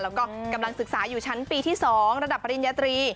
แล้วก็กำลังศึกษาอยู่ชั้นปีที่๒ระดับปริญญาตรี